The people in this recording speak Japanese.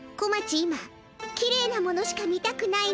今きれいなものしか見たくないの。